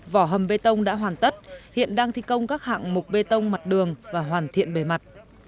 vỏ hầm bê tông đã hoàn tất hiện đang thi công các hạng mục bê tông mặt đường và hoàn thiện bề mặt